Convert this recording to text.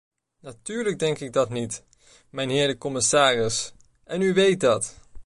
Natuurlijk denk ik dat niet, mijnheer de commissaris, en u weet dat!